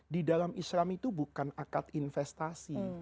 di dalam islam itu bukan akad investasi